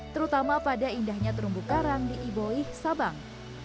terutama pada indahnya terumbu karang di iboih sabang